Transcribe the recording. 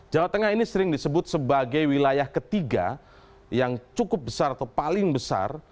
jawa tengah ini sering disebut sebagai wilayah ketiga yang cukup besar atau paling besar